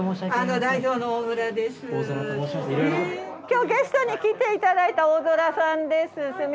今日ゲストに来て頂いた大空さんです。